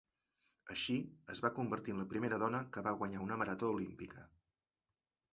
Així, es va convertir en la primera dona que va guanyar una marató olímpica.